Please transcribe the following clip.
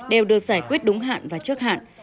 đều được giải quyết đúng hạn và trước hạn